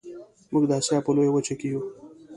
موږ د اسیا په لویه وچه کې یو